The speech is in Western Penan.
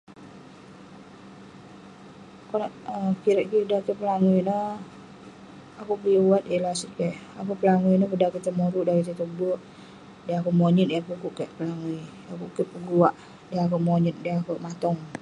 Konak ah kirak kik dan tong pelangui ineh, akouk bi wat yeng laset kek. Akouk pelangui ineh peh dan kek tai moruk, tai tong be'ek. Dei akouk monyet, yah pukuk kek pelangui. Yah kuk kek peguak, dei akouk monyet, dei akouk matong.